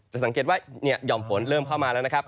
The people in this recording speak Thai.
สังเกตว่าหย่อมฝนเริ่มเข้ามาแล้วนะครับ